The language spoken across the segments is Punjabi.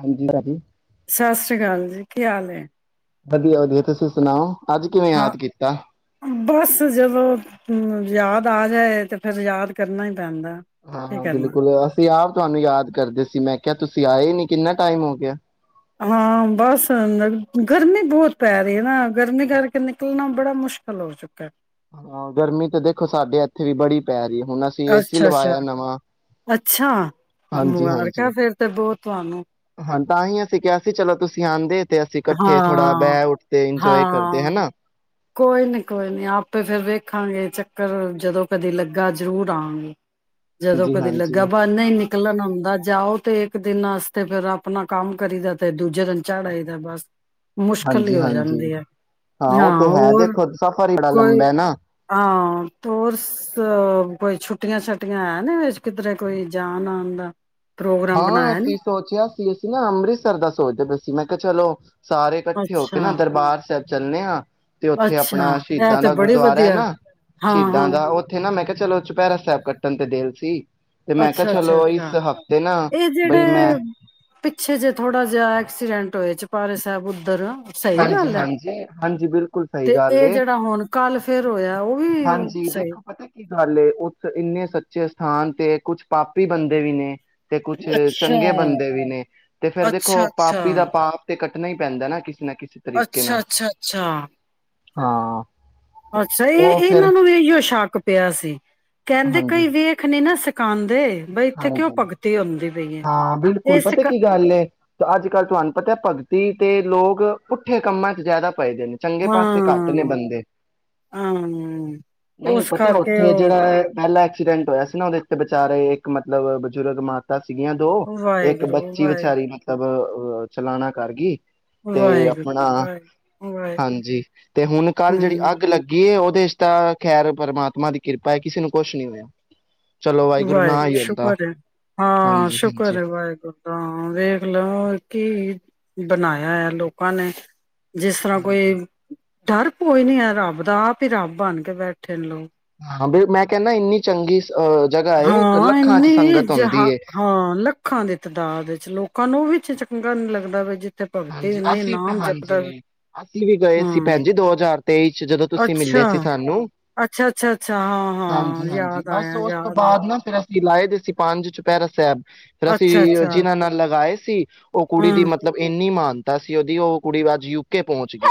ਹਾਂਜੀ ਰਾਾਜੀੀ ਸਤਿ ਸ੍ਰੀ ਅਕਾਲ ਜੀ ਕੀ ਹਾਲ ਵਧੀਆ ਵਧੀਆ ਤੁਸੀਂ ਸੁਣਾਓ ਅੱਜ ਕਿਵੇਂ ਹਾਂ ਯਾਦ ਕੀਤਾ ਬਸ ਜਦੋਂ ਹਮ ਯਾਦ ਆ ਜਾਏ ਤੇ ਫੇਿਰ ਯਾਦ ਕਰਨਾ ਹੀ ਪੈਂਦਾ। ਹਾਂ ਕੀ ਹਾਂ ਕਰਨਾ? ਬਿਲਕੁਲ ਅਸੀਂ ਆਪ ਤੁਹਾਨੂੰ ਯਾਦ ਕਰਦੇ ਸੀ ਮੈਂ ਕਿਹਾ ਤੁਸੀਂ ਅਸੀਂ ਆਏ ਨੀ ਕਿੰਨਾ ਟਾਈਮ ਹੋ ਗਿਆ ਹਾਂ ਬਸ ਗਰਮੀ ਬਹੁਤ ਪੈ ਰਹੀ ਹੈ ਨਾ ਗਰਮੀ ਕਰਕੇ ਨਿਕਲਣਾ ਬੜਾ ਮੁਸ਼ਕਿਲ ਹੋ ਚੁੱਕਾ ਹਾਂ ਗਰਮੀ ਤਾਂ ਦੇਖੋ ਸਾਡੇ ਇੱਥੇ ਵੀ ਬੜੀ ਪੈ ਰਹੀ ਹੈ ਹੁਣ ਅਸੀਂ ਏਸੀ ਅੱਛਾ, ਅੱਛਾ, ਲਵਾਇਆ ਨਵਾਂ ਅੱਛਾ ਹਾਂਜੀ ਹਾਂਜੀ ਮੁਬਾਰਕਾਂ ਫੇਰ ਤੇ ਬਹੁਤ ਧਿਆਨ ਹਾਂ ਤਾਂ ਹੀ ਅਸੀਂ ਕਿਹਾ ਸੀ ਚਲੋ ਤੁਸੀਂ ਆਉਂਦੇ ਤੇ ਅਸੀਂ ਇਕੱਠੇ ਥੋੜਾ ਹਾਂ ਬਹਿ ਉੱਠਦੇ ਇੰਜੋਏ ਕਰਦੇ ਹਾਂ ਹਨਾ ਕੋਈ ਨੀ ਕੋਈ ਨੀ ਆਪੇ ਫੇਿਰ ਵੇਖਾਂਗੇ ਚੱਕ ਚਰ ਜਦੋਂ ਕਦੇ ਲੱਗਾ ਜ਼ਰੂਰ ਆਾਂਗੇ ਜਦੋਂ ਹਾਂਜੀ ਕਦੇ ਲੱਗਾ ਹਾਂਜੀ ਬਾਹਨਾ ਨਿਕ ਇਕਲਨ ਆੁੰਂਦਾ ਜਾਓ ਤੇ ਇੱਕ ਦਿਨਤੇ ਫਿਰ ਆਪਣਾ ਕੰਮ ਕਰੀ ਦਾ ਤੇ ਦੂਜੇ ਦਿਨ ਝਾੜੇ ਬਸ ਹਾਂਜੀ ਹਾਂਜੀ ਹੈ ਹਾਂ ਉਹ ਤੇ ਹੈ ਦੇਖੋ ਸਫ਼ਰ ਬੜਾ ਲੰਬਾ ਨਾ ਤਰ ਕੋਈ ਛੁੱਟੀਆਂ ਛੁੱਟੀਆਂ ਹੈ ਨੀ ਕਿਧਰੇ ਕੋਈ ਜਾਣ ਆਉਣ ਦਾ ਪ੍ਰੋਗਰਾਮ ਹਾਂ ਬਣਾਇਆ ਅਸੀਂ ਨੀ ਸੋਚਿਆ ਸੀ ਅਸੀਂ ਨਾ ਅੰਮ੍ਰਿਤਸਰ ਦਾ ਸੋਚਦੇਸੀ ਮੈਂ ਚਲੋ ਸਾਰੇ ਇਕੱਠੇ ਹੋ ਕੇ ਅੱਛਾ ਨਾ ਦਰਬਾਰ ਸਹਿ ਚੱਲੇ ਹਾਂ ਤੇ ਉੱਥੇ ਆਪਣਾ ਅੱਛਾ ਇਹ ਸ਼ਹੀਦਾਂ ਤੇ ਦਾ ਬੜੀ ਗੁਰਦੁਆਰਾ ਹੈ ਵਧੀਆ ਨਾ ਹਾਂ ਹਾਂ ਸ਼ਹੀਦਾਂ ਦਾ ਉੱਥੇ ਨਾ ਮੈਂ ਕਹਿੰ ਚਲੋ ਚੁਪਹਿਰਾ ਸਾਹਿਬ ਕੱਟਣ ਤੇ ਦਿਲ ਸੀ ਤੇ ਮੈਂ ਕਿਹਾ ਅੱਛਾ ਅੱਛਾ ਚਲੋ ਇਸ ਅੱਛਾ ਹਫ਼ ਇਹ ਜਿਹੜੇ ਪਿੱਛੇ ਜੇ ਥੋੜਾ ਜਿਹਾ ਐਕਸੀਡੈਂਟ ਆਟੋ ਚ ਪਾ ਸਹਿਬ ਉੱਧਰ ਸਹੀ ਹਾਂਜੀ ਗੱਲ ਹੈ ਹਾਂਜੀ ਹਾਂਜੀ ਬਿਲਕੁਲ ਸਹੀ ਤੇ ਗੱਲ ਇਹ ਏ ਜਿਹੜਾ ਹੁਣ ਕੱਲ ਫੇਿਰ ਹੋਇਆ ਉਹ ਵੀ ਸਹੀ ਉਥ ਇੰਨੇ ਸੱਚੇ ਸਥਾਨ ਤੇ ਕੁਛ ਪਾਪੀ ਬੰਦੇ ਵੀ ਨੇ ਤੇ ਕੁਛ ਅੱਛਾ ਚੰਗੇ ਬੰਦੇ ਵੀ ਨੇ ਤੇ ਫੇਰ ਅੱਛਾ ਦੇਖੋ ਅੱਛਾ ਪਾਪੀ ਦਾ ਪਾਪ ਤੇ ਕ ਨਹੀਂ ਪੈਂਦਾ ਨਾ ਕਿਸੇ ਨਾ ਕਿਸੇ ਤਰੀਕੇ ਅੱਛਾ ਨਾਲ ਅੱਛਾ ਅੱਛਾ ਹਾਂ ਅੱਛਾ ਇਹ ਉਹ ਫਿਰ ਇਹਨਾਂ ਨੂੰ ਵੀ ਇਹੀਓ ਸ਼ੱਕ ਪਇਆ ਸੀ ਕਹਿੰਦੇ ਹਾਂਜੀ ਕਈ ਵੇਖਣੇ ਨਾ ਕਾਂਦੇ ਹਾਂਜੀ ਹਾਂ ਬਿਲਕੁਲ ਇਹ ਪਤਾ ਸਿਖਾ ਕੀ ਗੱਲ ਐ ਅੱਜ ਕੱਲ੍ਹ ਤੁਹਾਨੂੰ ਪਤਾ ਹੈ ਭਗਤੀ ਤੇ ਲੋਕ ਪੁੱਠੇ ਕੰਮਾਂ ਚ ਜਿਆਦਾ ਪਏਦੇ ਨੇ ਚੰਗੇ ਪਾਸੇ ਘੱਟ ਨੇ ਹਾਂ ਬੰਦੇ ਹਾਂ ਨਹੀਂ ਉਸ ਪਤਾ ਕਰਕੇ ਉੱਥੇ ਉਹ ਜਿਹੜਾ ਪਹਿਲਾਂ ਐਕਸੀਡੈਂਟ ਹੋਇਆ ਸੀ ਸੀ ਨਾ ਉਹ ਦੇਖ ਤਾਂ ਵਿਚਾਰੇ ਮਤਲਬ ਬਜ਼ੁਰਗ ਮਾਤਾ ਸੀ ਸੀਗੀਆਂ ਦੋ ਇੱਕ ਵਾਹਿਗੁਰੂ ਵਾਹਿਗੁਰੂ ਬੱਚੀ ਵਿਚਾਰੀ ਵਾਹਿਗੁਰੂ ਮਤਲਬ ਔ ਚਲਾਣਾ ਕਰਗੀ ਤੇ ਆਪਣਾ ਵਾਹਿਗੁਰੂ ਵਾਹਿਗੁਰੂ ਵਾਹਿਗੁਰੂ ਹਾਂਜੀ ਤੇ ਹੁਣ ਕੱਲ ਜਿਹੜੀ ਹਮ ਅੱਗ ਲੱਗੀ ਉਹ ਇਸ ਤਰਾਂ ਖੈਰ ਪਰਮਾਤਮਾ ਦੀ ਕਿਰਪਾ ਹੈ ਕਿਸੇ ਨੂੰ ਕੁਛ ਨੀ ਹੋਇਆ ਚਲੋ ਵਾਹਿਗੁਰੂ ਨਾ ਵਾਹਿਗੁਰੂ ਹੀ ਹੁੰਦਾ ਸ਼ੁਕਰ ਹੈ ਹਾਂ ਹਾਂਜੀ ਸ਼ੁਕਰ ਹਾਂਜੀ ਹੈ ਵਾਹਿਗੁਰੂ ਦਾ ਵੇਖ ਲਓ ਕੀ ਬਣਾਇਆ ਹੈ ਲੋਕਾਂ ਨੇ ਜਿਸ ਤਰ੍ਹਾਂ ਕੋਈ ਹਾਂਜੀ ਡਰ ਭੋਰਾ ਨਹੀਂ ਹੈ ਰੱਬ ਆਪ ਹੀ ਰੱਬ ਬਣ ਕੇ ਬੈਠੇ ਨੇ ਲੋਕ ਹਾਂ ਮੈਂ ਕਹਿੰਦਾ ਇੰਨੀ ਚੰਗੀ ਸੀ ਹਾਂ ਇੰਨੀ ਹੁੰਦੀ ਜਹਾ ਏ ਹਾਂ ਲੱਖਾਂ ਦੀ ਤਾਦਾਦ ਵਿੱਚ ਲੋਕਾਂ ਨੂਹ ਵੀ ਵਿੱਚ ਚੰਗਾ ਨੀ ਲੱਗਦਾ ਬਈ ਹਾਂਜੀ ਅਸੀਂ ਹਾਂਜੀ ਅਸੀਂ ਵੀ ਗਏ ਸੀ ਹਾਂ ਭੈਣ ਜੀ ਜਦੋਂ ਦੋ ਹਜ਼ਾਰ ਤੇਈ ਚ ਜਦੋਂ ਤੁਸੀਂ ਅੱਛਾ ਮਿਲੇ ਸੀ ਸਾਨੂੰ ਅੱਛਾ ਅੱਛਾ ਅੱਛਾ ਹਾਂ ਹਾਂ ਹਾਂਜੀ ਹਾਂਜੀ ਯਾਦ ਬਸ ਆਇਆ ਉਸ ਤੋ ਯਾਦ ਆਇਆ ਬਾਅਦ ਨਾ ਫ਼ਿਰ ਲਾਏ ਦੇ ਸੀ ਪੰਜ ਚੁਪਹਿਰਾ ਸਾਹਿਬ ਰਸੀ ਅੱਛਾ ਅੱਛਾ ਜੀਨਾ ਨਾ ਲਗਾਏ ਸੀ ਉਹ ਕੁੜੀ ਹਾਂ ਦੀ ਮਤਲਬ ਨਹੀਂ ਮਹਾਨਤਾ ਸੀ ਉਹਦੀ ਉਹ ਕੁੜੀ ਅੱਜ ਯੂਕੇ ਪਹੁੰਚ ਗਈ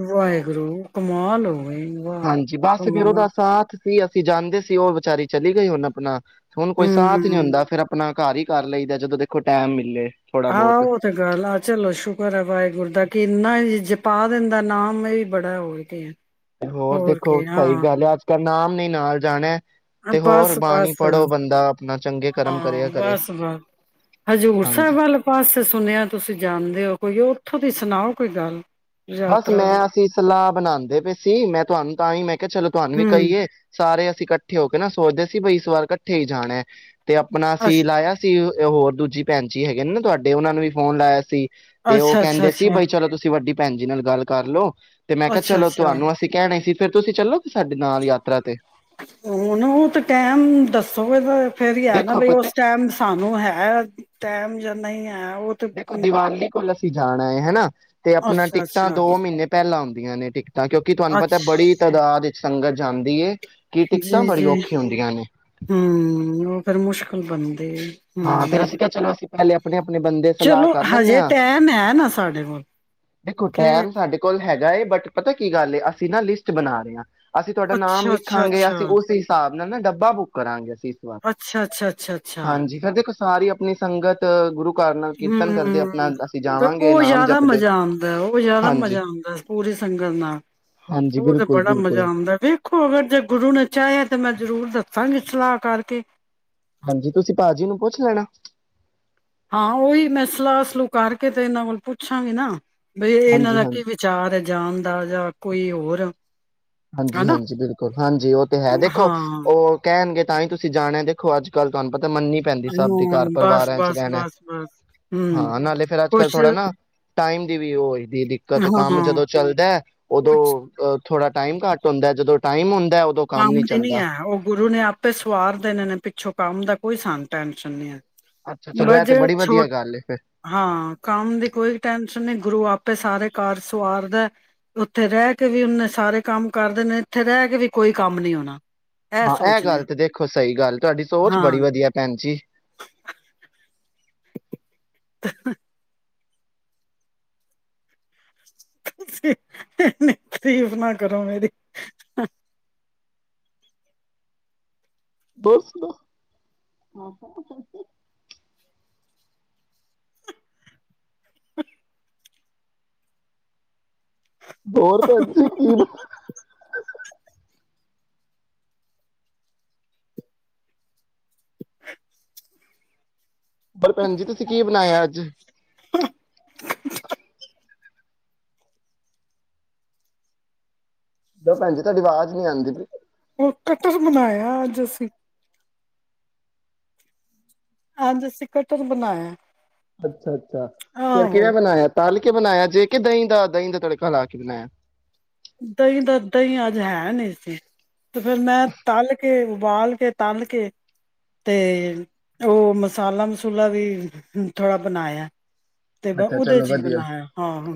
ਵਾਹਿਗੁਰੂ ਕਮਾਲ ਹੋ ਗਈ ਵਾਹ ਹਾਂਜੀ ਬਸ ਫਿਰ ਉਹਦਾ ਕਮਾਲ ਸਾਥ ਕੀ ਅਸੀਂ ਜਾਣਦੇ ਸੀ ਉਹ ਵਿਚਾਰੀ ਚਲੀ ਗਈ ਹੁਣ ਆਪਣਾ ਹੁਣ ਕੋਈ ਸਾਥ ਨਹੀਂ ਹੂੰ ਹੁੰਦਾ ਫਿਰ ਆਪਣਾ ਘਰ ਹੀ ਕਰ ਲਈਦਾ ਜਦੋਂ ਦੇਖੋ ਟੈਮ ਮਿਲੇ। ਥੋੜਾ ਆਹ ਬਹੁਤ ਉਹ ਤੇ ਗੱਲ ਆ ਚਲੋ ਸ਼ੁਕਰ ਆ ਵਾਹਿਗੁਰ ਦਾ। ਕਿੰਨਾ ਜਪਾ ਦੇੰਦਾ ਨਾਮ ਇਹ ਈ ਬੜਾ ਹੋਰ ਕੀ। ਤੇ ਹੋਰ ਦੇਖੋ ਕੀ ਸਹੀ ਹਾਂ ਗੱਲ ਹੈ ਅੱਜ- ਕੱਲ ਨਾਮ ਨੇਈ ਨਾਲ ਜਾਣਾ। ਤੇ ਹੋਰ ਬਸ, ਬਾਣੀ ਬਸ ਪੜ੍ਹੋ ਬੰਦਾ ਆਪਣਾ ਚੰਗੇ ਕਰਮ ਹਾਂ। ਕਰਿਆ ਕਰੇ ਬਸ, ਬਸ ਹਜ਼ੂਰ ਹਾਂਜੀ ਸਾਹਿਬ ਵਾਲੱ ਪਾਸੇ ਸੁਣਿਆ ਤੁਸੀਂ ਜਾਂਣਦੇ ਹੋ ਕੋਈ ਉੱਥੋਂ ਦੀ ਸੁਣਾਓ ਕੋਈ ਗੱਲ? ਬਸ ਯਾਤਰਾ ਮੈਂ ਦੀ ਅਸੀਂ ਸਲਾਹ ਬਣਾਉਦੇ ਪਏ ਸੀ ਮੈਂ ਤੁਹਾਨੂੰ ਤਾਂ ਹੀ ਮੈਂ ਕਿਹਾ ਚਲੋ ਤੁਹਾਨੂੰ ਵੀ ਹੂੰ ਕਹੀਏ ਸਾਰੇ ਅਸੀਂ ਇਕੱਠੇ ਹੋ ਕੇ ਨਾ ਸੋਚਦੇ ਸੀ ਬਈ ਇਸ ਵਾਰ ਇਕੱਠੇ ਹੀ ਜਾਣਾ। ਤੇ ਅਪਣਾ ਅਸੀ ਅੱਛ ਲਾਇਆ ਸੀ ਹੋਰ ਦੂਜੀ ਭੈਣ ਜੀ ਹੈਗੇ ਨੇ ਨਾ ਤੁਹਾਡੇ ਉਹਨਾਂ ਨੂੰ ਵੀ ਫੋਨ ਲਾਇਆ ਸੀ। ਤੇ ਉਹ ਅੱਛਾ ਅੱਛਾ ਕਹਿੰਦੇ ਸੀ ਅੱਛਾ ਬਾਈ ਚਲੋ ਤੁਸੀਂ ਵੱਡੀ ਭੈਣ ਜੀ ਨਾਲ ਗੱਲ ਕਰਲੋ। ਤੇ ਮੈਂ ਕਿਹਾ ਅੱਛਾ ਚਲੋ ਅੱਛਾ ਤੁਹਾਨੂੰ ਅਸੀਂ ਕਹਿਣਾ ਸੀ। ਤੇ ਤੁਸੀਂ ਚੱਲੋ। ਹੁਣ ਉਹ ਤੇ ਟਾਈਮ ਦੱਸੋਗੇ ਤ ਏਵੀ ਹੈ ਨਾ ਦੇਖੋ ਬਈ ਪਤਾ ਉਸ ਟਾਈਮ ਸਾਨੂੰ ਹੈ। ਟਾਈਮ ਜਾਂ ਨਹੀਂ ਹੈ। ਉਹ ਤੇ ਦੇਖੋ ਦੀਵਾਲੀ ਕੋਲ ਲਸ ਕਿ ਜਾਣੈ ਹਣਾ। ਤੇ ਆਪਣਾ ਅੱਛਾ ਟਿਕਟਾਂ ਅੱਛਾ ਦੋ ਮਹੀਨੇ ਪਹਿਲਾਂ ਆਉਂਦੀਆਂ ਨੇ ਟਿਕਟਾਂ ਕਿਉਂਕਿ ਤੁਹਾਨੂੰ ਪਤਾ ਬੜੀ ਤਦਾਦ ਈੱਚ ਸੰਗਤ ਜਾਂਦੀ ਏ। ਜੀ-ਜੀ, ਹਮ! ਪਰ ਮੁਸ਼ਕਿਲ ਬਨੂੰ ਹਾਂ ਫੇਰ ਅਸੀਂ ਕਿਯਾ ਚੱਲੋ ਅਸੀਂ ਹਲੇ ਅਪਣੇ ਚੱਲੋ ਹਜੇ ਟੈਮ ਹੈ ਨਾ ਸਾਡੇ ਕੋਲ, ਕੇ ਨਏ ਬਟ ਪਤਾ ਕੀ ਗੱਲ ਏ ਅਸੀਂ ਨਾ ਲਿਸਟ ਬਨਾ ਰਹੇ ਆਂ। ਅਸੀਂ ਤੁਹਾਡਾ ਨਾਮ ਅੱਛਾ ਅੱਛਾ ਲਿਖਾਂਗੇ ਅੱਛਾ ਅਸੀਂ ਉਸ ਹਿਸਾਬ ਨਾ-ਨਾ ਡੱਬਾ ਬੁੱਕ ਕਰਾਂਗੇ ਅ ਅੱਛਾ-ਅੱਛਾ-ਅੱਛਾ-ਅੱਛਾ! ਫਿਰ ਦੇਖੋ ਸਾਰੀ ਅਪਣੀ ਸੰਗਤ ਗੁਰੂ ਘਰ ਨਾਲ ਕੀਰਤਨ ਕਰਦੇ ਆਪਣਾ ਹੰ! ਅਸੀਂ ਤੇ ਜਾਵਾਂਗੇ ਉਹ ਨਾਮ ਜ਼ਾਦਾ ਜਪਦੇ ਮਜ਼ਾ ਆਉਂਦਾ ਉਹ ਜ਼ਾਦਾ ਮਜ਼ਾ ਹਾਂਜੀ ਆਉਂਦਾ ਪੂਰੀ ਸੰਗਤ ਨਾਲ ਹਾਂਜੀ ਉਹ ਤੇ ਬਿਲਕੁਲ ਬੜਾ ਬਿਲਕੁਲ ਮਜ਼ਾ ਆਉਂਦਾ, ਵੇਖੋ ਅਗਰ ਜੇ ਗੁਰੂ ਨੇ ਚਾਹਿਆ ਤੇ ਮੈਂ ਜ਼ਰੂਰ ਦ ਸੰਗ ਸਲਾਹ ਕਰਕੇ ਹਾਂਜੀ, ਤੁਸੀਂ ਭਾਜੀ ਨੂੰ ਪੁੱਛ ਲੈਣਾ। ਹਾਂ! ਉਹੀ ਮੈਂ ਸਲਾਹ ਸਲੂ ਕਰਕੇ ਤੇ ਇਹਨਾਂ ਕੋਲ ਪੁੱਛਾਂਗੇ ਨਾ! ਬਈ ਇਹਨਾਂ ਹਾਂਜੀ ਦਾ ਕੀ ਹਾਂਜੀ ਵਿਚਾਰ ਹੈ? ਜਾਣ ਦਾ ਜਾਂ ਕੋਈ ਹੋਰ ਹਾਂਜੀ! ਹਨਾ ਹਾਂਜੀ! ਬਿਲਕੁਲ ਹਾਂਜੀ! ਉਹ ਤੇ ਹੈ ਦੇਖੋ ਹਾਂ ਉਹ ਕਹਿਣਗੇ ਤਾਂ ਹੀ ਤੁਸੀਂ ਜਾਣਿਆ ਦੇਖੋ ਅੱਜ ਕੱਲ ਤੁਹਾਨੂੰਤਾ [unintelligible] ਤਾਂ! ਮੰਨਨੀ ਪੈਂਦੀ ਸਭ ਦੇ ਹਾਂ ਘਰ ਬਸ ਪਰਿਵਾਰਾਂ ਚ ਬਸ ਰਹਿਣਾ ਬਸ ਬਸ ਹਮ ਹਾਂ! ਨਾਲੇ ਫੇਿਰ ਅੱਜ ਕੱਲ ਕੁਛ ਥੋੜਾ ਨਾ ਟਾਈਮ ਦੀ ਵੀ ਉਹ ਹੋਈ! ਦੀ ਦਿੱਕਤ ਕੰਮ ਹਾਂ ਜਦੋਂ ਚੱਲਦਾ! ਉਦੋਂ ਕੁਛ ਅਹ ੋੜਾ ਟਾਈਮ ਘੱਟ ਹੁੰਦਾ ਜਦੋਂ ਟਾਈਮ ਹੁੰ ਕੰਮ ਦੀ ਨੀ ਹੈ! ਉਹ ਗੁਰੂ ਨੇ ਆਪੇ ਸਵਾਰ ਦੇਣੇ ਨੇ ਪਿੱਛੋਂ ਕੰਮ ਦਾ ਕੋਈ ਸਾਨੂੰ ਟੈਨਸ਼ਨ ਨੀ ਹੈ ਅੱਛਾ ਚਲੋ ਬਸ ਇਹ ਜ ਤੇ ਬੜੀ ਛੋ ਵਧੀਆ ਗੱਲ ਹੈ ਫਿਰ ਹਾਂ ਕੰਮ ਦੀ ਕੋਈ ਟੈਂਨਸ਼ਨ ਨਹੀਂ ਗੁਰੂ ਆਪ [unintelligible] ੇ ਸਾਰੇ ਕਾਰ ਸਵਾਰਦਾ ਉੱਥੇ ਰਹਿ ਕੇ ਵੀ ਉਹਨੇ ਸਾਰੇ ਕੰਮ ਕਰਦੇ ਨੇ ਇੱਥੇ ਰਹਿ ਕੇ ਵੀ [unintelligible] ਕੋਈ ਕੰਮ ਨਹੀਂੀ ਆਣਾ ਹਾਂ! ਇਹ ਗੱਲ ਤੇ ਦੇਖੋ ਸਹੀ ਗੱਲ ਤੁਹਾਡੀ ਸੋਚ ਬੜੀ ਹਾਂ ਵਧੀਆ ਭੈਣ ਜੀ [inaudible] ਤਫ ਨਾ ਕਰੋ ਮੇਰੀ [inaudible] [unintelligible] ਬਰ ਸੁ ਦਾ [inaudible] ਹੋਰ ਤਾਂਜੀ ਕੀ ਪਰ ਭੈਣ ਜੀ ਤੁਸੀਂ ਕੀ ਬਨਾਇਆ ਅੱਜ [inaudible] ਭ ਭੈਣਜੀ ਤੁਹਾਡੀ ਵਾਜ਼ ਨਹੀਂ ਆਂਦੀ ਪੲ ਉਹ ਕਟਹਲ ਬਨਾਇਆ ਅੱਜ ਅਸੀਂ ਅੱਜ ਅਸੀਂ ਕਟਹਲ ਬਨਾਇਆ ਅੱਛਾ ਅੱਛਾ ਫਿਰ ਕਿਹੜਾ ਬਨਾਇਆ ਇਆ ਤਲ ਕੇ ਬਣਾਇਆ ਜੇ ਕਿ ਦਹੀਂ ਦਾ ਦਹੀਂ ਦਾ ਤੜਕਾ ਲਾ ਛਡਨਾ ਦਹੀਂ ਦਾ ਦਹੀਂ ਅੱਜ ਹੈ ਨਈ‌ ਸੀ ਤੇ ਫੇਿਰ ਮੈਂ ਤਲ ਕੇ ਉਬਾਲ ਕੇ ਤਲ ਕੇ ਤੇ ਉਹ ਮਸਾਲਾ ਮਸੂਲਾ ਵੀ ਥੋੜ੍ਹਾ ਬਨਾਇਆ ਤੇ ਮੈਂ ਅੱਛਾ ਉਹਦੇ ਚਲੋ ਚ ਹੀ ਵਧੀਆ ਬਨਾਇਆ ਹਾਂ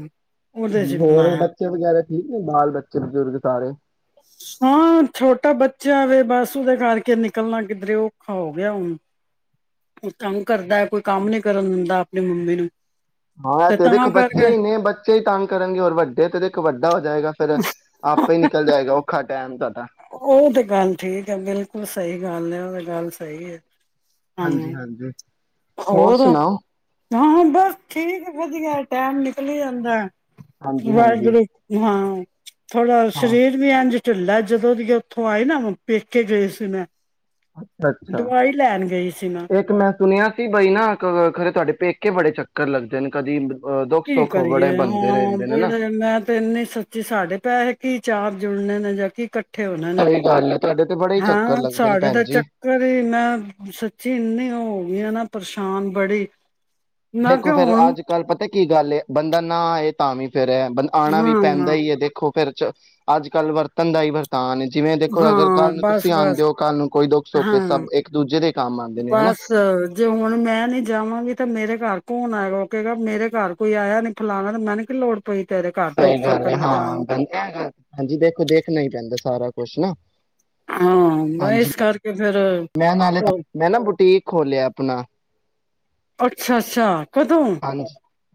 ਉਹਦੇ ਚ ਹੀ ਹੋਰ ਬਨਾਇਆ ਬੱਚੇ ਵਗੈਰਾ ਠੀਕ ਏ ਬਾਲ ਬੱਚੇ ਬਜ਼ੁਰਗ ਸਾਰੇ ਹਾਂ ਛੋਟਾ ਬੱਚਾ ਵੇ ਬਸ ਉਹਦੇ ਕਰਕੇ ਨਿਕਲਣਾ ਕਿੱਧਰੇ ਔਖਾ ਹੋ ਗਿਆ ਹੁਣ ਕੋਈ ਕੰਮ ਕਰਦਾ ਕੋਈ ਕੰਮ ਨੀ ਕਰਨ ਦਿੰਦਾ ਅਪਨੀ ਮੰਮੀ ਨੂੰ ਹਾਂ ਤੇ ਤਾਂ ਦੇਖੋ ਕਰਕੇ ਬੱਚੇ ਈ ਨੇ ਬੱਚੇ ਈ ਤੰਗ ਕਰਨਗੇ ਹੋਰ ਵੱਡੇ ਤੇ ਦੇਖੋ ਵੱਡਾ ਹੋ ਜਾਏਗਾ ਫੇਿਰ ਆਪੇ ਹੀ ਨਿਕਲ ਜਾਏਗਾ ਔਖਾ ਟਾਈਮ ਤੁਹਾਡਾ ਉਹ ਤੇ ਗੱਲ ਠੀਕ ਏ ਬਿਲਕੁਲ ਸਹੀ ਗੱਲ ਏ, ਗੱਲ ਸਹੀ ਹੈ। ਹਾਂ ਹਾਂਜੀ-ਹਾਂਜੀ। ਹੋਰ ਸੁਨਾਓ। ਹਾਂ ਹਾਂ ਬਸ ਠੀਕ ਏ ਵਧੀਆ ਟੈਮ ਨਿਕਲੀ ਜਾਂਦਾ ਹਾਂਜੀ ਵਰ ਹਾਂਜੀ ਹਾਂ [inaudible] [inaudible] ਥੋੜਾ ਹਾਂ ਸ਼ਰੀਰ ਵੀ ਐਨਜ ਢਿੱਲਾ ਜਦੋਂ ਦੀਆਂ ਉੱਥੋਂ ਆਈ ਨਾ ਪੇਕੇ ਗਈ ਸੀ ਮੈਂ। ਅੱਛਾ ਦਵਾਈ ਲੈਣ ਗਈ ਸੀ ਇੱਕ ਮੈਂ ਸੁਨਿਆ ਬਈ ਨਾ ਖਰੇ ਤੁਹਾਡੇ ਪੇਕੇ ਬੜੇ ਚੱਕਰ ਲੱਗਦੇ ਨੇ ਕਦੀ ਅ, ਦੁੱਖ ਕੀ ਸੁੱਖ ਬੜੇ ਕਰੀਏ ਬੰਦੇ ਹਾਂ ਰਹਿੰਦੇ ਨੇ ਨਾ ਬੜੇ ਮੈਂ ਤੇ ਇੰਨੀ ਸੱਚੀ ਸਾਡੇ ਪੈਹੈ ਕੀ ਚਾਰ ਜੁੜਨ ਨੇ ਜਾ ੲਕ ਕਠੇ ਹੋਣੇ ਨੇ, ਸਹੀ ਗੱਲ ਹੈ ਤੁਹਾਡੇ ਤੇ ਬੜੇ ਹੀ ਹਾਂ ਚੱਕਰ ਲੱਗਦੇ ਨੇ ਸਾਡੇ ਭੈਣ ਤਾ ਜੀ ਚੱਕਰ ਹੀ ਨਾ ਸੱਚੀ ਇੰਨੀ ਹੋਗੀ ਆ ਨਾ ਪਰੇਸ਼ਾਨ ਬੜੀ ਮੈਂ ਦੇਖੋ ਕਿਹਾ ਫੇਰ ਹੁਣ ਅੱਜ ਕੱਲ ਪਤਾ ਕੀ ਗੱਲ ਏ। ਬੰਦਾ ਨਾ ਆਯੇ ਤਾਂ ਵੀ ਫੇਰ ਏ ਆਉਣਾ ਵੀ ਪੈਂਦਾ ਹਾਂ ਈ ਏ ਦੇਖੋ ਫਿਰ ਚ ਅੱਜ-ਕੱਲ ਵਰਤਨ ਦਾ ਹੀ ਵਰ ਹਾਂ ਬਸ-ਬਸ, ਹੋ ਕੱਲ ਨੂੰ ਕੋਈ ਦੁੱਖ ਸੁੱਖ ਏ ਸਭ ਹਾਂ ਇੱਕ ਦੂਜੇ ਦੇ ਕੰਮ ਆਉਂਦੇ ਨੇ ਹਨਾ ਬਸ ਜੇ ਹੁਣ ਮੈਂ ਨਹੀਂ ਜਾਵਾਂਗੀ ਤਾਂ ਮੇਰੇ ਘਰ ਕੌਣ ਆਏਗਾ, ਉਹ ਕਹੇਗਾ ਮੇਰੇ ਘਰ ਕੋਈ ਆਯਾ ਨਹੀ ਫਲਾਣਾ ਤੇ ਮੈਨੂ ਕੀ ਲੋੜ ਪਈ ਤੇਰੇ ਘਰ ਦੁੱਖ ਸਹੀ ਸੁੱਖ ਗੱਲ ਲਈ ਹਾਂ ਜਾਣ ਦੀ ਬਿਲਕੁਲ ਹਾਂਜੀ ਬਿਲਕੁਲ ਦੇਖੋ ਦੇਖਣਾ ਹੀ ਪੈਂਦਾ ਸਾਰਾ ਕੁ ਕੁਛ ਨੀ। ਹਾਂ ਮੈਂ ਹਾਂਜੀ, ਇਸ ਕਰਕੇ ਫੇਰ ਮੈਂ ਨਾਲੇ ਉਹ ਮੈਂ ਨਾ ਬੁਟੀਕ ਖੋਲਿਆ ਆਪਣਾ। ਅੱਛਾ-ਅੱਛਾ। ਹਾਂਜੀ,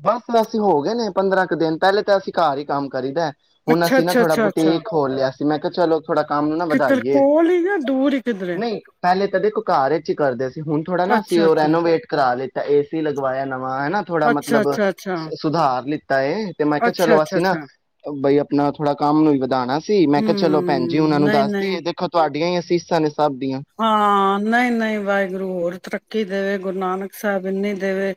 ਬਸ ਵੇਸੇ ਹੋ ਗਏ ਨੇ। ਪੰਦਰਾਂ ਕੁ ਦਿਨ ਪਹਿਲੇ ਤਾਂ ਅਸੀਂ ਘਰ ਹੀ ਕੰਮ ਕਰੀ ਦਾ ਹੁਣ ਅੱਛਾ ਅਸੀ ਅੱਛਾ ਥੋੜਾ ਨਾ ਅੱਛਾ ਅੱਛਾ ਬੁਟੀਕ ਖੋਲ੍ਹਿਆ ਸੀ ਮੈ ਕਿਹਾ ਚਲੋ ਥੋੜਾ ਕੰਮ ਨੂੰ ਨਾ ਕਿੱਧਰ ਵਧਾਈਏ, ਕੋਲ ਹੀ ਜਾਂ ਦੂਰ ਹੀ ਕਿੱਧਰ ਹੈ ਨਹੀਂ ਪਹਿਲੇ ਤਾਂ ਦੇਖੋ ਘਰ ਵਿਚ ਹੀ ਕਰਦੇ ਸੀ। ਹੁਣ ਥੋੜਾ ਨਾ ਅਸੀਂ ਅੱਛਾ ਉਹ ਅੱਛਾ ਰੈਨੋਵੇਟ ਕਰਾ ਲਿਤਾ ਏ ਸੀ ਲਗਵਾਇਆ ਨਵਾ ਹੈਣਾ ਥੋੜਾ ਅੱਛਾ ਮਤਲਬ ਅੱਛਾ ਅੱਛਾ ਸੁਧਾਰ ਅਗਲੀ ਤਾਈ ਤੇ ਮੈਂ ਕਿਹਾ ਅੱਛਾ ਚਲੋ ਅੱਛਾ ਅਸੀਂ ਨਾ ਅੱਛਾ ਬਈ ਆਪਣਾ ਥੋੜਾ ਕੰਮ ਵਧਾਣਾ ਸੀ ਮੈਂ ਕਿਹਾ ਚਲੋ ਭੈਣ ਜੀ ਹਮ ਉਹਨਾਂ ਨੂੰ ਨਹੀਂ ਨਹੀਂ ਦੱਸਦੀਏ ਦੇਖੋ ਤੁਹਾਡੀਆਂ ਹੀ ਅਸ [inaudible] ਫੀਸਾਂ ਨੇ ਸਭ ਦੀਆਂ ਹਾਂ ਨਹੀਂ-ਨਹੀਂ ਵਾਹਿਗੁਰੂ ਹੋਰ ਤਰੱਕੀ ਕੀ ਦੇਵੇ ਗੁਰੂ ਨਾਨਕ ਸਾਹਿਬ ਇੰਨੀ ਦੇਵੇ,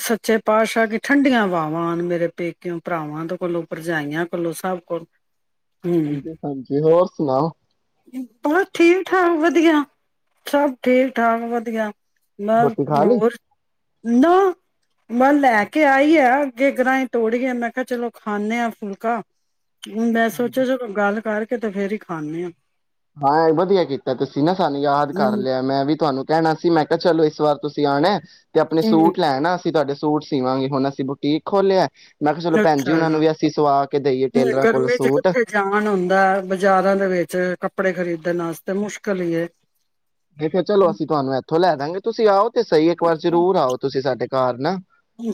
ਸੱਚੇ ਪਾਤਸ਼ਾਹ ਦੀ ਠੰਡੀਆਂ ਵਾਹਵਾਂ ਆਣ ਮੇਰੇ ਪੇਕਿਓਂ ਭਰਾਵਾਂ ਦੇ ਕੋਲੋਂ ਭਰਜਾਈਆਂ ਕੋਲੋਂ ਸਭ ਕੋਲ ਹਮ ਹਾਂਜੀ ਹਾਂਜੀ ਹੋਰ ਸੁਣਾਓ ਬਸ ਠੀਕ ਠਾਕ ਵ ਵਧੀਆ, ਸਭ ਠੀਕ ਠਾਕ ਵਧੀਆ ਮੈਂ ਰੋਟੀ ਖਾ ਲਈ ਹੋਰ ਨਾ, ਮੈਂ ਲੈ ਕੇ ਆਈ ਆ ਅੱਗੇ ਗ੍ਰਾਂਹੀਂ ਤੋੜਏ ਮੈਂ ਕਿਹਾ ਚਲੋ ਖਾਂਦੇ ਆਫੁਲਕਾ ਹੁਣ ਮੈਂ ਹਾਂਜੀ ਸੋਚਿਆ ਚ ਗੱਲ ਕਰਕੇ ਤੇ ਫੇਰ ਹੀ ਖਦੇ ਹਾਂ। ਹਾਂ, ਵਧੀਆ ਕੀਤੀ ਤਾਂ ਤੁਸੀਂ ਨਾ ਸਾਨੂੰ ਯਾਦ ਕਰ ਹਮ ਲਿਆ ਮੈਂ ਵੀ ਤੁਹਾਨੂੰ ਕਹਿਣਾ ਸੀ, ਮੈਂ ਕਿਹਾ ਚਲੋ ਇਸ ਵਾਰ ਤੁਸੀਂ ਆਉਣਾ ਤੇ ਆਪਣੇ ਹਮ ਸੂਟ ਲੈਣਾ ਅਸੀਂ ਤੁਹਾਡੇ ਸੂਟ ਸੀਿਵਾਂਗੇ ਹੁਣ ਅਸੀਂ ਬੁਟੀਕ ਖੋਲਿਆ। ਮੈਂ ਕਿਹਾ ਚਲੋ ਭੈਣ ਜੀ ਅੱਛਾ ਉਹਨਾਂ ਨੂੰ ਵੀ ਅਸੀਂ ਸਵਾ ਕੇ ਦੇਈਏ ਹੂੰ ਟੇਲਰਾਂ ਕੋਲ ਗਰਮੀ ਚ ਸੂਟ ਕਿੱਥੇ ਜਾਣ ਹੁੰਦਾ ਬਾਜ਼ਾਰਾਂ ਦੇ ਵਿੱਚ ਕੱਪੜੇ ਖਰੀਦ ਦੇ ਨਾਸਤੇ ਮੁਸ਼ਕਿਲ ਹੀ ਤੇ ਫਰ ਚਲੋ ਅਸੀਂ ਤੁਹਾਨੂੰ ਇੱਥੋਂ ਲੈ ਦਵਗੇ ਤੁਸੀਂ ਆਓ ਤੇ ਸਹੀ ਇੱਕ ਵਾਰ ਜਰੂਰ ਆਓ। ਤੁਸੀਂ ਸਾਡੇ ਘਰ ਨਾ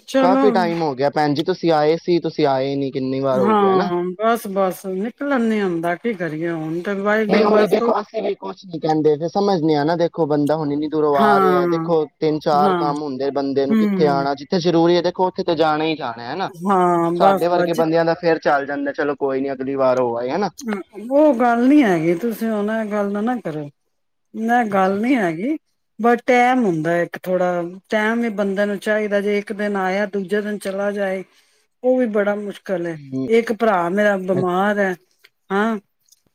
ਚਲੋ ਕਾਫੀ ਟਾਈਮ ਹੋ ਗਿਆ ਭੈਣ ਜ ਤੁਸੀਂ ਆਏ ਸੀ। ਤੁਸੀਂ ਆਏ ਨੀ ਕਿੰਨੀ ਵਾਰ ਹੋ ਗਿਆ ਨਾ ਹਾਂ, ਬੱਸ ਬੱਸ ਨਿਕਲਣ ਨੀ ਆਉਂਦਾ ਕੀ ਕਰੀਏ ਹੁਣ ਤੇ ਨਹੀਂ, ਵਾਹਿਗੁਰੂ ਉਹੀ ਬਸ ਦੇਖੋ ਅਸੀਂ ਵੀ ਕੁਛ ਨੀ ਕਹਿੰਦੇ ਸਮਝ ਨਿਕਲਦਾ ਨਹੀਂ ਹੁੰਦਾ, ਕੀ ਕਰੀਏ ਹੁਣ? ਹੁਣ ਇੰਨੀ ਦੂਰੋਂ ਹਾਂ ਆ ਰਹੇ ਹੈ ਦੇਖੋ ਤਿੰਨ ਚਾਰ ਹਾਂ ਕੰਮ ਹੁੰਦੇ ਬੰਦੇ ਨੂੰ ਕਿੱਥੇ ਹਮ ਆਉਣਾ ਜਿੱਥੇ ਜ਼ਰੂਰੀ ਹੈ ਉੱਥੇ ਤਾਂ ਜਾਣੇ ਜਾਣਾ ਹਨਾ ਹਾਂ ਬਸ ਸਾਡੇ ਵਰਗੇ ਬਸ ਬੰਦਿਆਂ ਦਾ ਫੇਰ ਚੱਲ ਜਾਂਦਾ ਚਲੋ ਕੋਈ ਨੀ ਅਗਲੀ ਵਾਰ ਹੋ ਆਏ ਹੈ ਨਾ ਉਹ ਗੱਲ ਨੀ ਹੈਗੀ ਤੁਸੀਂ ਉਹਨਾਂ ਨਾਲ ਗੱਲ ਨਾ ਨਾ ਕਰਿਓ ਨਹ ਅੱਛਾ ਗੱਲ ਨਹੀਂ ਹੈਗੀ ਬਟ ਟੈਮ ਹੁੰਦਾ ਇੱਕ ਥੋੜਾ ਟੈਮ ਹੀ ਬੰਦੇ ਨੂੰ ਚਾਹੀਦਾ ਜੇ ਇੱਕ ਦਿਨ ਆਇਆ ਦੂਜੇ ਦਿਨ ਚਲਾ ਜਾਏ - ਉਹ ਵੀ ਬੜਾ ਮੁਸ਼ਕਿਲ ਮੁਸ਼ਕਲ ਹੈ ਇਹ ਇੱਕ ਭਰਾ ਮੇਰਾ ਬਿਮਾਰ ਹੈ ਹਾਂ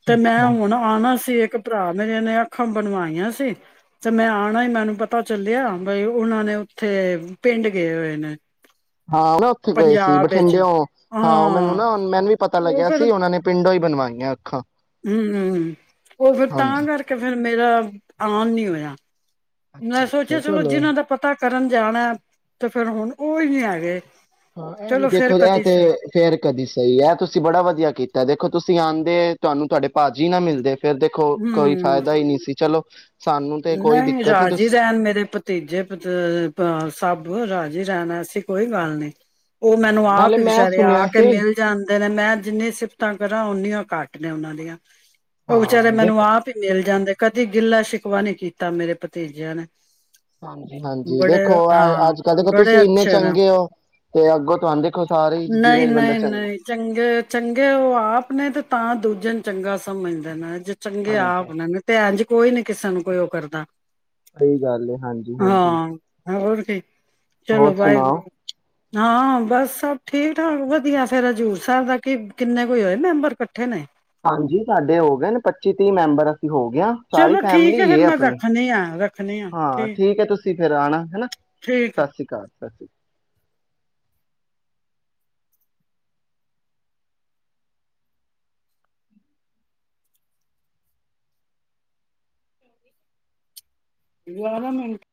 ਤੇ ਮੈਂ ਹੁਣ ਆਉਣਾ ਸੀ ਇੱਕ ਇੱਕ ਭਰਾ ਮੇਰੇ ਨੇ ਅੱਖਾਂ ਬਣਵਾਈਆਂ ਸੀ ਤੇ ਮੈਂ ਆਉਣਾ ਹੀ ਮੈਨੂੰ ਪਤਾ ਚੱਲਿਆ ਬਈ ਉਹਨਾਂ ਨੇ ਉੱਥੇ ਪਿੰਡ ਗਏ ਹੋਏ ਨੇ ਹਾਂ ਨਾ ਉੱਥੇ ਗਏ ਸੀ ਪੰਜਾਬ ਵਿੱਚ ਬਠਿੰਡੇਓ ਹਾਂ ਮੈਨੂੰ ਨਾ ਮੈਨੂੰ ਵੀ ਪਤਾ ਲੱਗਿਆ ਸੀ ਉਹਨਾਂ ਨੇ ਪਿੰਡੋਂ ਹੀ ਬਣਵਾਈਆਂ ਅੱਖਾਂ ਹਮ ਉਹ ਫਿਰ ਤਾਂ ਹਾਂਜੀ ਕਰਕੇ ਫਿਰ ਮੇਰਾ ਆਨ ਨੀ ਹੋਇਆ। ਮੈਂ ਅੱਛਾ ਅੱਛਾ ਸੋਚਿਆ ਚਲੋ ਜਿਹਨਾਂ ਦਾ ਪਤਾ ਕਰਨ ਜਾਣਾ ਤੇ ਫਿਰ ਹੁਣ ਉਹ ਹੀ ਨੀ ਹੈਗੇ। ਹਾਂ ਇਹ ਵੀ ਚਲੋ ਫੇਰ ਦੇਖੋ ਇਹ ਕਦੀ ਤੇ ਸਹੀ ਫੇਰ ਕਦੀ ਸਹੀ ਇਹ ਤੁਸੀਂ ਬੜਾ ਵਧੀਆ ਕੀਤਾ ਦੇ ਖੋ ਤੁਸੀਂ ਆਉਂਦੇ ਤੁਹਾਨੂੰ ਤੁਹਾਡੇ ਭਾ ਜੀ ਨਾ ਮਿਲਦੇ। ਫੇਰ ਦੇਖੋ ਕੋਈ ਹੂੰ। ਫਾਇਦਾ ਹੀ ਨਹੀਂ ਸੀ ਚਲੋ ਸਾਨੂੰ ਤੇ ਕੋਈ ਨਹੀਂ ਦਿੱਕਤ ਨੀ ਰਾਜੀੇ ਤੁਸੀਂ ਰਹਿਣ ਮੇਰੇ ਭਤੀਜੇ ਸਭ ਰਾ ਜੀ ਰਹਿਣ ਐਸੀ ਕੋਈ ਗੱਲ ਨੀ। ਉਹ ਮੈਨੂੰ ਹਾਂ ਨਾਲੇ ਆਪ ਹੀ ਮੈਂ ਵਿਚਾਰੇ ਆ ਸੁਣਿਆ ਕੇ ਸੀ ਮਿਲ ਜਾਨ ਮੈਂ ਜਿੰਨੀਆਂ ਸਿਫਤਾਂ ਕਰਾਂ ਓਨੀਆਂ ਘੱਟ ਨੇ ਉਹਨਾਂ ਦੀਆਂ। ਉਹ ਵਿਚਾਰੇ ਹਾਂ ਮੈਨੂੰ ਦੇਖ ਆਪ ਹੀ ਮਿਲ ਜਾਂਦੇ। ਕਦੀ ਗਿੱਲਾ ਸ਼ਿ ਵਾ ਨੀ ਕੀਤਾ ਮੇਰੇ ਭਤੀਜਿਆਂ ਨੇ। ਹਾਂਜੀ-ਹਾਂਜੀ ਬੜੇ ਦੇਖੋ ਹਾਂ ਅੱਜ ਕੱਲ੍ਹ ਦੇਖੋ ਬੜੇ ਤੁਸੀਂ ਇੰਨੇ ਅੱਛੇ ਨੇ ਚੰਗੇ ਹੋ ਤੇ ਅੱਗੋਂ ਤੁਹਾਨੂੰ ਦੇਖੋ ਸਾਰੇ ਨਹੀਂ ਜਿਵੇਂ ਬੰਦਾ ਨਹੀਂ ਚੰਗਾ ਨਹੀਂ ਚੰਗੇ ਚੰਗੇ ਉਹ ਆਪ ਨੇ ਤੇ ਤਾਂ ਦੂਜੇ ਨੂੰ ਚੰਗਾ ਸਮਝਦਾ ਨਾ ਜਿ ਚੰਗੇ ਹਾਂਜੀ ਆਪ ਨਾ ਤੇ ਇੰਜ ਕੋਈ ਨੀ ਸਾਨ ਨੂੰ ਕੋਈ ਉਹ ਕਰਦਾ। ਸਹੀ ਗੱਲ ਹੈ ਹਾਂਜੀ ਹਾਂਜੀ ਹਾਂ ਹੋਰ ਕੀ ਚਲੋ ਹੋਰ ਸੁਣਾਓ ਵਾਹਿਗੁਰੂ ਹਾਂ ਬਸ ਸਭ ਠੀਕ ਠਾਕ ਵਧੀਆ ਫੇਰ ਹਜ਼ੂਰ ਸਾਹਿਬ ਦਾ ਕਿ ਕਿੰਨੇ ਕੋਈ ਹੋਏ ਮੈਂਬਰ ਇਕੱਠੇ ਨੇ। ਹਾਂਜੀ ਸਾਡੇ ਹੋ ਗਏ ਨੇ ਪੱਚੀ ਤੀਹ ਮੈਂਬਰ। ਹੋ ਗਿਆ ਸਾਰੀ ਚਲੋ ਠੀਕ ਫੈਮਲੀ ਹੈ ਫੇਰ ਏ ਮੈਂ ਆਪਨੀ ਰੱਖਣੀ ਆ ਰੱਖਣੀ ਆ ਹਾਂ ਠੀਕ ਹੈ ਤੁਸੀਂ ਫਿਰ ਆਨਾ ਹਨਾ ਠੀਕ ਹੈ, ਸਤਿ ਸ੍ਰੀ ਅਕਾਲ। ਅਸੀ ਗਿਆਰਾਂ ਮਿੰਟ